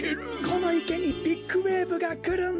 このいけにビッグウエーブがくるんだ！